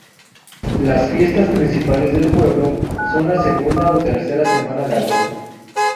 Las fiestas principales del pueblo son la segunda o tercera semana de agosto.